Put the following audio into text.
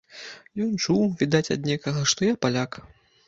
Ён чуў, відаць ад некага, што я паляк.